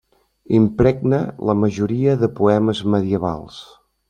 Impregna la majoria de poemes medievals.